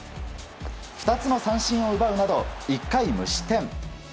２つの三振を奪うなど１回無失点。